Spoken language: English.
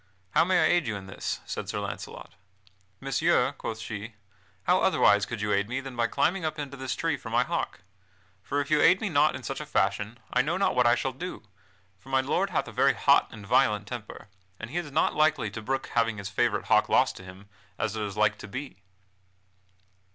"How may I aid you in this?" said Sir Launcelot. "Messire," quoth she, "how otherwise could you aid me than by climbing up into this tree for my hawk? For if you aid me not in such a fashion, I know not what I shall do, for my lord hath a very hot and violent temper, and he is not likely to brook having his favorite hawk lost to him, as it is like to be."